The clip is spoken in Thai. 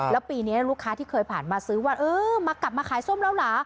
และปีนี้ลูกค้าที่เคยผ่านมาซื้อว่ามากลับมาขายซ่อมแล้วละ